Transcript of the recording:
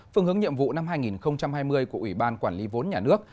phương hướng nhiệm vụ năm hai nghìn hai mươi của ủy ban quản lý vốn nhà nước